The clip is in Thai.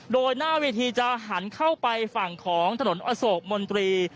โดยหน้าเวทีจะหันเข้าไปฝั่งของถนนอโศกมนตรี